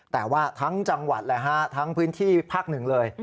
แต่ว่าทั้งจังหวัดเลยฮะทั้งพื้นที่ภาคหนึ่งเลย